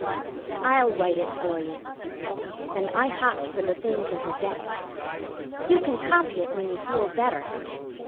"I'll write it for you." And I hopped for the things in her desk. "You can copy it when you feel better."